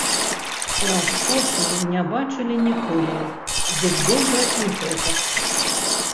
Раскошы не бачылі ніколі, дык добра і гэтак.